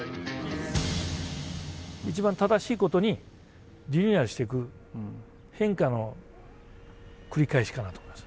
一番正しいことにリニューアルしていく変化の繰り返しかなと思います。